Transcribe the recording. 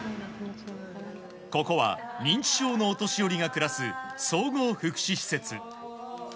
ここは認知症のお年寄りが暮らす総合福祉施設。